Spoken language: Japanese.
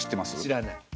知らない。